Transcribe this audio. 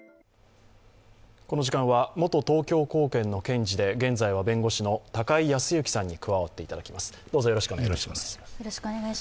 この時間は元東京高検の検事で現在は弁護士の高井康行さんに加わっていただきます。